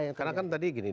ya karena kan tadi gini